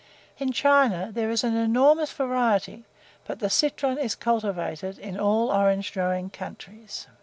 In China there is an enormous variety, but the citron is cultivated in all orange growing countries.